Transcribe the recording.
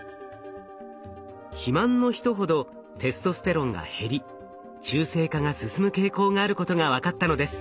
肥満の人ほどテストステロンが減り中性化が進む傾向があることが分かったのです。